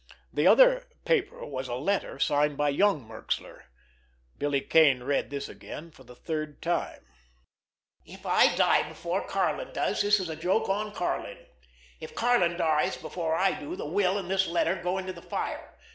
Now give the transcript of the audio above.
The other paper was a letter signed by young Merxler. Billy Kane read this again for the third time: "If I die before Karlin does, this is a joke on Karlin; if Karlin dies before I do the will and this letter go into the fire.